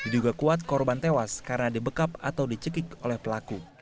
diduga kuat korban tewas karena dibekap atau dicekik oleh pelaku